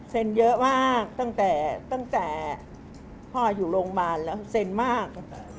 เยอะมากตั้งแต่ตั้งแต่พ่ออยู่โรงพยาบาลแล้วเซ็นมาก